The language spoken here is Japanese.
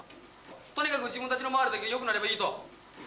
とにかく自分たちの周りだけよくなればいいと。